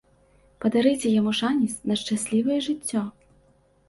Падарыце яму шанец на шчаслівае жыццё!